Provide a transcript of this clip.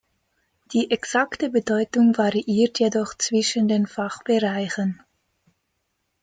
Die exakte Bedeutung variiert jedoch zwischen den Fachbereichen.